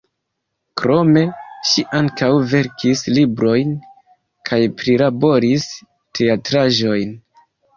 Krome ŝi ankaŭ verkis librojn kaj prilaboris teatraĵojn.